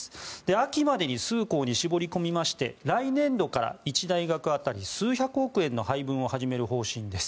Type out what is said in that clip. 秋までに数校に絞り込みまして来年度から１大学当たり数百億円の支援を始める方針です。